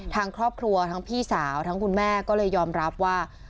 ทางครอบครัวทั้งพี่สาวทั้งคุณแม่ก็เลยยอมรับว่า